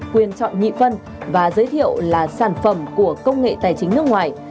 quyền chọn nhị phân và giới thiệu là sản phẩm của công nghệ tài chính nước ngoài